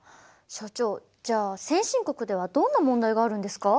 所長じゃあ先進国ではどんな問題があるんですか？